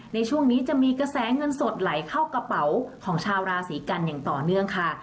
ในช่วงนี้จะมีกระแสเงินสดไหลเข้ากระเป๋าของชาวราศีกันอย่างต่อเนื่องค่ะ